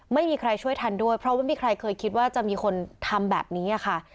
ไม่มีใครช่วยทันด้วยเพราะว่าไม่มีใครเคยคิดว่าจะมีคนทำแบบนี้ค่ะ